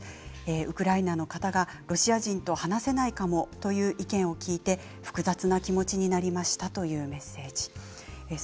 ウクライナの方がロシア人と話せないかもという意見を聞いて複雑な気持ちになりましたというメッセージです。